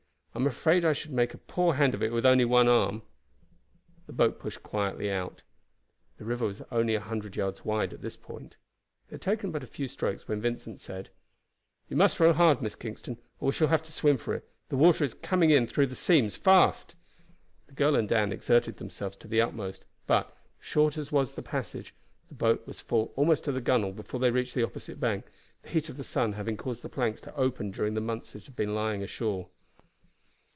I am afraid I should make a poor hand of it with only one arm." The boat pushed quietly out. The river was about a hundred yards wide at this point. They had taken but a few strokes when Vincent said: "You must row hard, Miss Kingston, or we shall have to swim for it. The water is coming through the seams fast." The girl and Dan exerted themselves to the utmost; but, short as was the passage, the boat was full almost to the gunwale before they reached the opposite bank, the heat of the sun having caused the planks to open during the months it had been lying ashore.